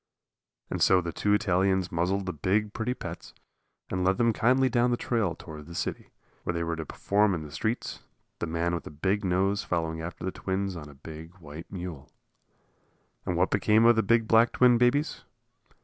And so the two Italians muzzled the big, pretty pets and led them kindly down the trail toward the city, where they were to perform in the streets, the man with the big nose following after the twins on a big white mule. And what became of the big black twin babies?